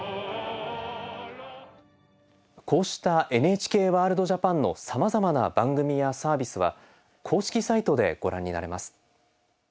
こうした「ＮＨＫワールドＪＡＰＡＮ」のさまざまな番組やサービスは公式サイトでご覧になれます。